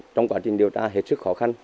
trong quá trình điều tra hết sức khó khăn